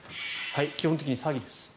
基本的に詐欺です。